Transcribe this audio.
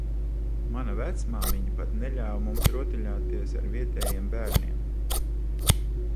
Mana vecmāmiņa pat neļāva mums rotaļāties ar vietējiem bērniem.